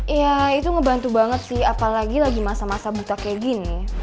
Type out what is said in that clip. iya itu ngebantu banget sih apalagi lagi masa masa buta kayak gini